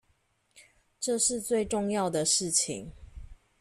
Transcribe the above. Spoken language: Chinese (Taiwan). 這是最重要的事情